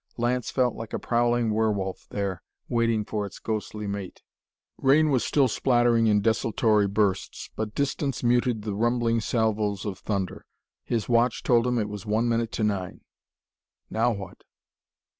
Lance felt like a prowling werewolf there, waiting for its ghostly mate. Rain was still splattering in desultory bursts, but distance muted the rumbling salvos' of thunder. His watch told him it was one minute to nine. Now what?